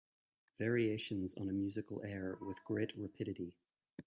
Variations on a musical air With great rapidity